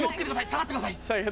下がってください。